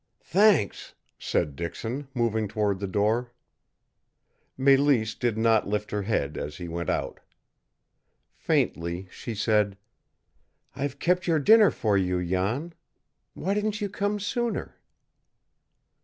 "Thanks," said Dixon, moving toward the door. Mélisse did not lift her head as he went out. Faintly she said: "I've kept your dinner for you, Jan. Why didn't you come sooner?"